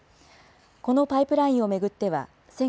このパイプラインを巡っては、先